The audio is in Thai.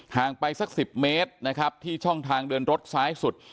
งไปสัก๑๐เมตรนะครับที่ช่องทางเดินรถซ้ายสุด